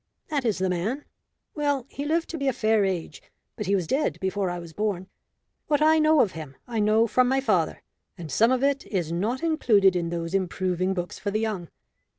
"That is the man. Well, he lived to be a fair age, but he was dead before I was born. What I know of him I know from my father, and some of it is not included in those improving books for the young.